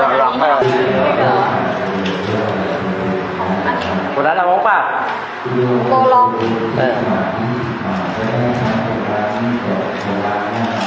อย่างนั้นก็จะแค่หน้าตรงด้วยหรือเปล่า